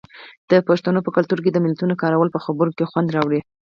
د پښتنو په کلتور کې د متلونو کارول په خبرو کې خوند راوړي.